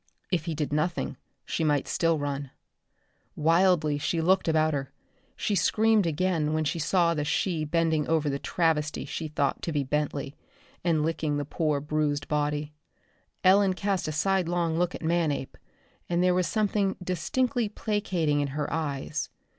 If he did nothing she might still run. Wildly she looked about her. She screamed again when she saw the she bending over the travesty she thought to be Bentley, and licking the poor bruised body. Ellen cast a sidelong look at Manape, and there was something distinctly placating in her eyes.